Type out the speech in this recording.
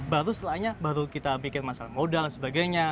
baru setelahnya baru kita bikin masalah modal dan sebagainya